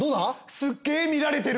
すっげえ見られてる。